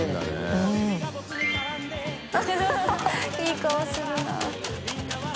いい顔するな。